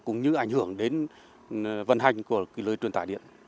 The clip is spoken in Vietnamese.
cũng như ảnh hưởng đến vận hành của lưới truyền tải điện